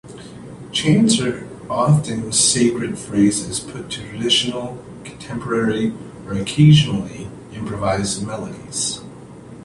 Chants are often sacred phrases put to traditional, contemporary or occasionally improvised melodies.